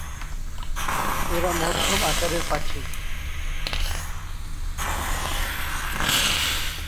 এরা মধ্যম আকারের পাখি।